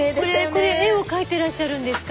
これこれ絵を描いてらっしゃるんですか？